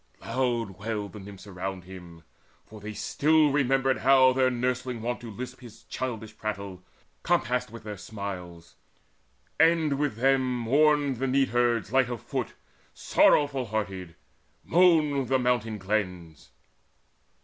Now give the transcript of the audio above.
Loud wailed the Nymphs around him; for they still Remembered how their nursling wont to lisp His childish prattle, compassed with their smiles. And with them mourned the neatherds light of foot, Sorrowful hearted; moaned the mountain glens.